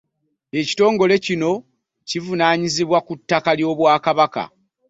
Ekitongole kino kivunaanyizibwa ku ttaka ly'obwakabaka